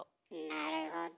なるほど。